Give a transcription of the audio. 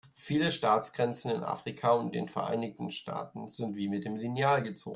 Viele Staatsgrenzen in Afrika und den Vereinigten Staaten sind wie mit dem Lineal gezogen.